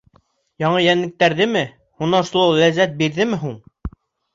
— Яңы йәнлектәрҙеме? һунарсылау ләззәт бирҙеме һуң?